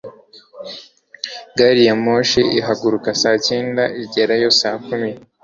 Gari ya moshi ihaguruka saa cyenda, igerayo saa kumi.